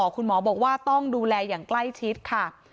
คุณหมอบอกว่าต้องดูแลอย่างใกล้ชิดค่ะ